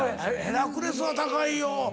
ヘラクレスは高いよ。